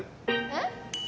えっ？